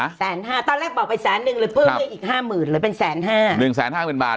๑๕๐๐บาทตอนแรกบอกไป๑๐๐๐บาทเลยปึ๊บอีก๕๐๐๐๐บาทเลยเป็น๑๕๐๐บาท